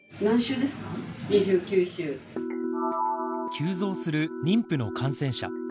急増する妊婦の感染者。